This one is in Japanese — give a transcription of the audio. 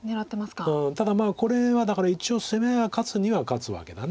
ただこれはだから一応攻め合いは勝つには勝つわけだ。